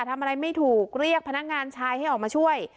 ทำอะไรไม่ถูกเรียกพนักงานชายให้ออกมาช่วย